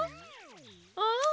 ああ。